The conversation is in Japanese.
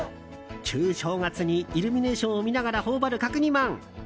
旧正月にイルミネーションを見ながらほお張る、角煮まん。